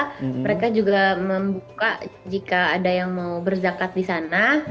mereka juga membuka jika ada yang mau berzakat di sana